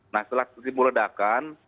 nah setelah timbul ledakan